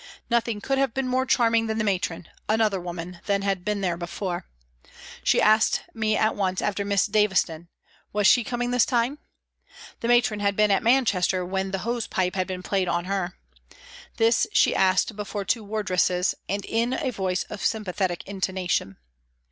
Nothing could have been more charming than the Matron another woman than had been there before. She asked me at once after Miss Davison ; was she coming this time ? The Matron had been at Manchester when the hose pipe had been played on her. This she asked before two wardresses, and in a voice of sympathetic intonation.